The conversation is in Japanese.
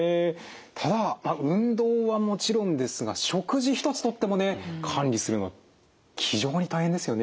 ただ運動はもちろんですが食事一つ取ってもね管理するの非常に大変ですよね。